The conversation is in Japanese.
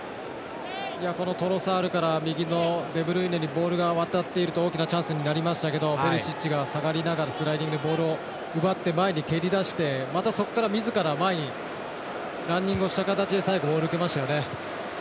トロサールから右のデブルイネにボールが渡っていると大きなチャンスになりましたけどペリシッチが下がりながらスライディング、ボールを奪って前に蹴り出してみずから前にランニングをした形で最後追い抜きましたよね。